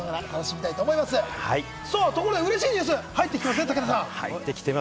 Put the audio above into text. ところでうれしいニュースが入ってきましたね、武田さん。